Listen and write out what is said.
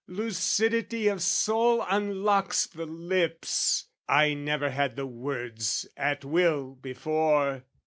Lucidity of soul unlocks the lips: I never had the words at will before.